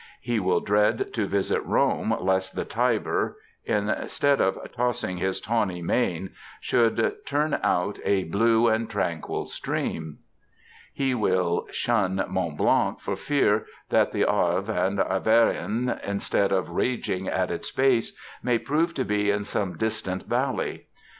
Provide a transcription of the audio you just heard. He will dread to visit Rome lest the Tiber, instead of ^* tossing his tawny mane,^ should turn out a blue and tranquil stream. 800 MEN, WOMEN, AND MINXES He will shim Mont Blanc for fear that the Arve and Arveunxi, instead of '* raging^ at its ^base,^ may prove to be in some distant valley.